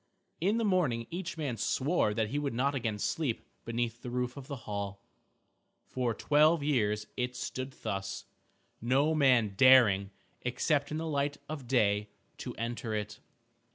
In the morning each man swore that he would not again sleep beneath the roof of the hall. For twelve years it stood thus, no man daring, except in the light of day, to enter it.